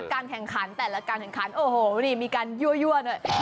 การแข่งขันแต่ละการแข่งขันโอ้โหนี่มีการยั่วด้วย